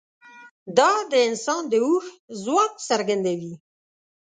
دا د انسان د هوښ ځواک څرګندوي.